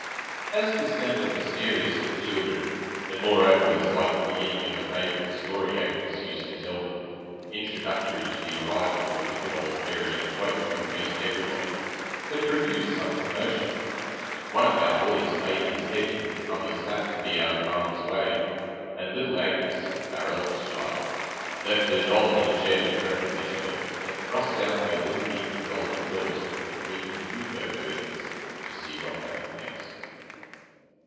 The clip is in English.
As this sounded mysterious to the children, and moreover was like the beginning of a favourite story Agnes used to tell them, introductory to the arrival of a wicked old Fairy in a cloak who hated everybody, it produced some commotion. One of our boys laid his head in his mother's lap to be out of harm's way, and little Agnes (our eldest child) left her doll in a chair to represent her, and thrust out her little heap of golden curls from between the window curtains, to see what happened next.